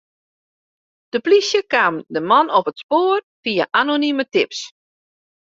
De polysje kaam de man op it spoar fia anonime tips.